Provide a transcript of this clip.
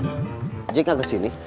jadi nggak kesini